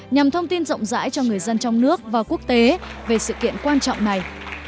nhằm thông tin rộng rãi cho người dân trong nước và quốc tế về sự kiện quan trọng này